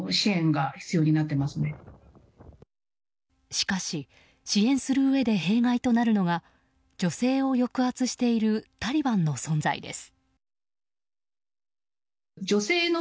しかし、支援するうえで弊害となるのが女性を抑圧しているタリバンの存在です。